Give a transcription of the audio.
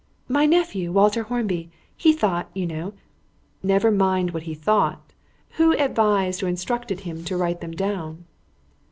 "My nephew, Walter Hornby. He thought, you know " "Never mind what he thought. Who advised or instructed him to write them down?"